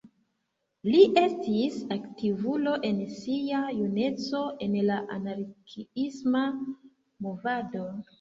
Li estis aktivulo en sia juneco en la anarkiisma movado.